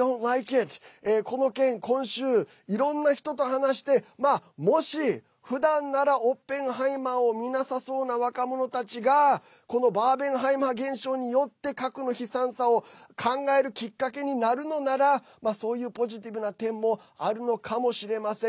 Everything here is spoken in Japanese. この件、今週いろんな人と話して、もしふだんなら「オッペンハイマー」を見なさそうな若者たちがバーベンハイマー現象によって核の悲惨さを考えるきっかけになるのならそういうポジティブな点もあるのかもしれません。